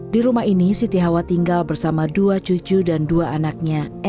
di rumah ini siti hawa tinggal bersama dua cucu dan dua anaknya